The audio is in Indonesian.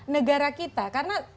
negara kita karena